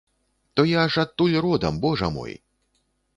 То я ж адтуль родам, божа мой!